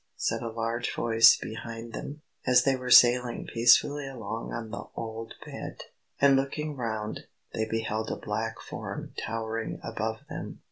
said a large voice behind them, as they were sailing peacefully along on the old Bed. And looking round, they beheld a black form towering above them.